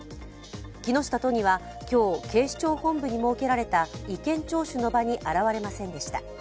木下都議は今日、警視庁本部に設けられた意見聴取の場に現れませんでした。